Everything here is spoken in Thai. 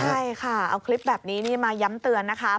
ใช่ค่ะเอาคลิปแบบนี้มาย้ำเตือนนะคะ